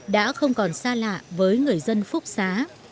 đã không còn xa lạ với người dân phúc xá